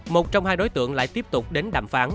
một trong hai đối tượng lại tiếp tục đến đàm phán